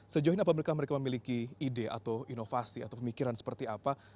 sejauh ini apakah mereka memiliki ide atau inovasi atau pemikiran seperti apa